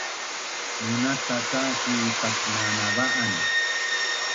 Munata cak ki pasnanava’an